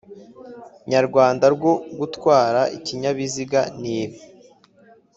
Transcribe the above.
nyarwanda rwo gutwara ikinyabiziga ni ibi